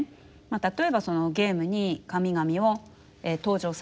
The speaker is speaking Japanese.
例えばそのゲームに神々を登場させる。